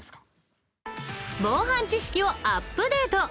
防犯知識をアップデート。